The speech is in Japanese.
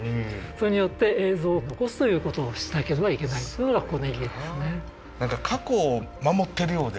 それによって映像を残すということをしなければいけないというのがここの意義ですね。